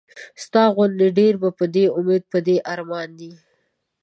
ستا غوندې ډېر پۀ دې اميد پۀ دې ارمان دي